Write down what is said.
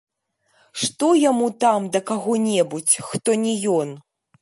Што яму там да каго-небудзь, хто не ён?